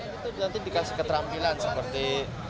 itu nanti dikasih keterampilan seperti